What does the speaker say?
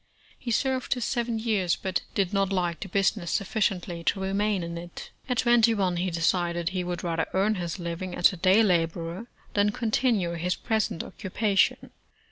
He served his seven vears, but did not like the business sufficiently to remain in it. At twenty one, he decide^* he would rather earn his living as a day laborer, than continue his present occupation.